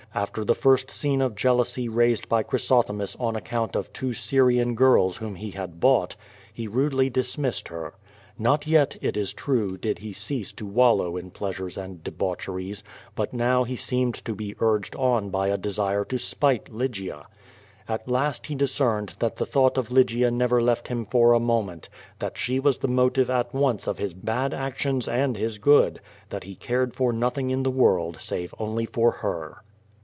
After the first scene of jealousy raised by Chrysothemis on account of two Syrian girls whom he had bought, he rudely dismissed lier. Not yet, it is true, did he cease to wallow in pleasures and debaucheries, but now he seemed to be urged on by a de 230 QUO VADrfi. sire to spite Lygia. At last he discerned that the thought of Lygia never left him for a moment, that she was the motive at once of his ])ad actions and his good, that he cared for nothing in the world save only for her.